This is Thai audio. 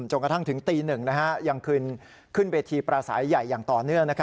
จนกระทั่งถึงตี๑ยังขึ้นเวทีปราศัยใหญ่อย่างต่อเนื่อง